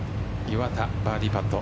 岩田、バーディーパット。